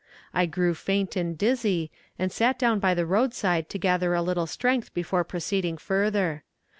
I grew faint and dizzy, and sat down by the road side to gather a little strength before proceeding further.